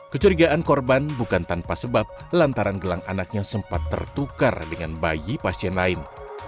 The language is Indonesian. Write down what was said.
kecurigaan korban bukan tanpa sebab lantaran gelang anaknya sempat tertukar dengan bayi pasien lain